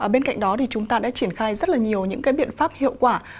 bên cạnh đó thì chúng ta đã triển khai rất là nhiều những cái biện pháp hiệu quả